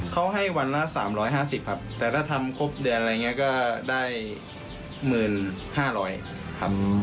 เขาให้วันละ๓๕๐แต่ถ้าทำครบเดือนก็ได้๑๐๕๐๐บาทครับ